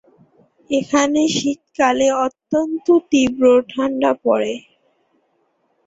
এখানে শীতকালে অত্যন্ত তীব্র ঠান্ডা পড়ে।